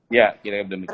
iya kira kira demikian